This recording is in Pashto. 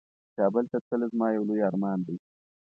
کابل ته تلل زما یو لوی ارمان دی.